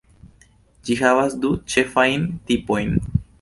Ĝi havas du ĉefajn tipojn.